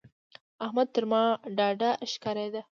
احمد تر ما ډاډه ښکارېده.